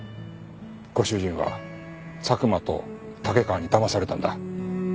ご主人は佐久間と竹川にだまされたんだ。